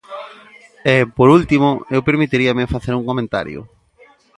E, por último, eu permitiríame facer un comentario.